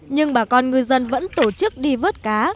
nhưng bà con ngư dân vẫn tổ chức đi vớt cá